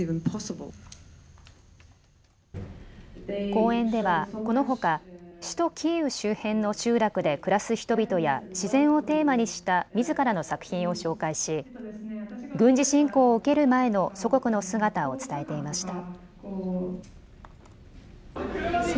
講演ではこのほか首都キーウ周辺の集落で暮らす人々や自然をテーマにしたみずからの作品を紹介し軍事侵攻を受ける前の祖国の姿を伝えていました。